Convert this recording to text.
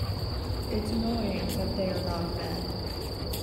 It's annoying that they are not men.